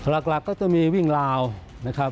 หลักก็จะมีวิ่งราวนะครับ